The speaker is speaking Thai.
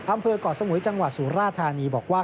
อำเภอก่อสมุยจังหวัดศูนย์ราธานีบอกว่า